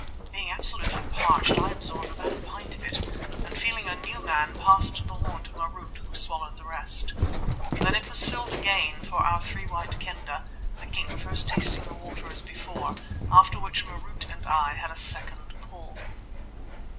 Being absolutely parched I absorbed about a pint of it, and feeling a new man, passed the horn to Marût, who swallowed the rest. Then it was filled again for our three White Kendah, the King first tasting the water as before, after which Marût and I had a second pull.